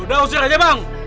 udah usir aja bang